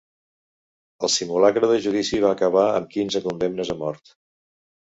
El simulacre de judici va acabar amb quinze condemnes a mort.